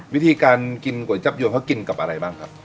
วิธีการกินก๋วยจับยวนเขากินกับอะไรบ้างครับ